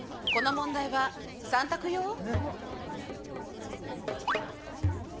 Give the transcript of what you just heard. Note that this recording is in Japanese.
この問題は３択よ